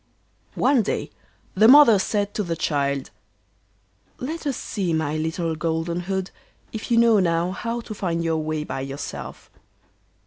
One day the mother said to the child: 'Let us see, my little Golden hood, if you know now how to find your way by yourself.